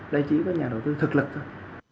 đây chỉ có nhà đầu tư thực lực thôi